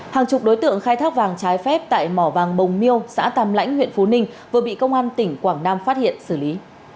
hàng chục đối tượng khai thác vàng trái phép tại mỏ vàng bồng miêu xã tàm lãnh huyện phú ninh vừa bị công an tỉnh quảng nam phát hiện xử lý